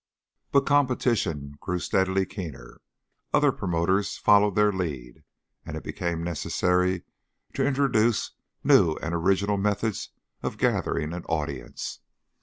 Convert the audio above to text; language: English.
But competition grew steadily keener, other promoters followed their lead, and it became necessary to introduce new and original methods of gathering an audience.